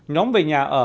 chín nhóm về nhà ở